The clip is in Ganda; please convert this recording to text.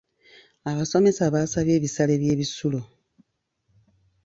Abasomesa baasabye ebisale by'ebisulo.